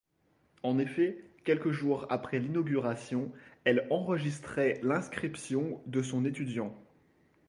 En effet, quelques jours après l'inauguration, elle enregistrait l'inscription de son étudiant.